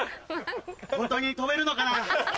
ホントに飛べるのかな？